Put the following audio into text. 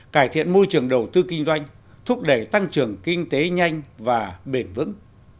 cải thiện môi trường đầu tư kinh doanh thúc đẩy tăng trưởng kinh tế nhanh và bền vững